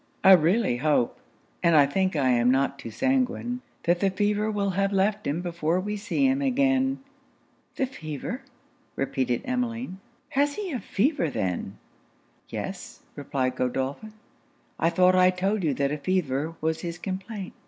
'I really hope, and I think I am not too sanguine, that the fever will have left him before we see him again.' 'The fever!' repeated Emmeline 'has he a fever then?' 'Yes,' replied Godolphin 'I thought I told you that a fever was his complaint.